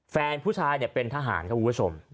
แฟนผู้ชายเป็นทหารครับคุณผู้ชม